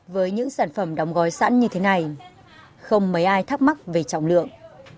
với những sản phẩm đóng gói sẵn như thế này không mấy ai thắc mắc về trọng lượng